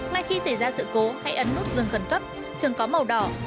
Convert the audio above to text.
ngay khi xảy ra sự cố hãy ấn nút dừng khẩn cấp thường có màu đỏ